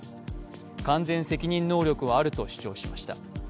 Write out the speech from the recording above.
完全責任能力はあると主張しました。